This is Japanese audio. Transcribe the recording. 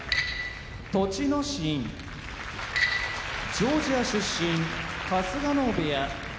栃ノ心ジョージア出身春日野部屋